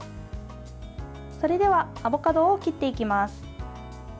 それでは、アボカドを切っていきます。